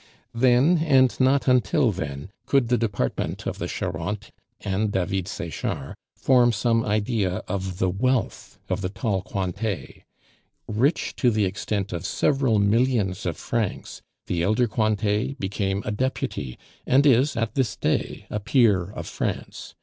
Then, and not until then, could the department of the Charente and David Sechard form some idea of the wealth of the tall Cointet. Rich to the extent of several millions of francs, the elder Cointet became a deputy, and is at this day a peer of France.